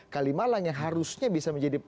kalimalang yang harusnya bisa menjadi